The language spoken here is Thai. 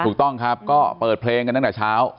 ถูกต้องครับก็เปิดเพลงกันตั้งแต่เช้า